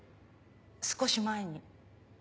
少し前に。